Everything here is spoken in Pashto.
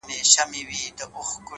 o ورور مي دی هغه دی ما خپله وژني؛